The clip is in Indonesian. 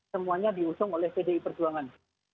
semuanya diusung oleh pdi perjuangan